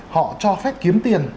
họ cho phép kiếm tiền